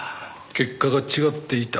結果が違っていた？